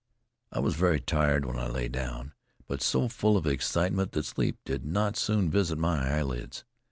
I was very tired when I lay down, but so full of excitement that sleep did not soon visit my eyelids.